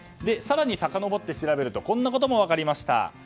更にさかのぼって調べるとこんなことも分かりました。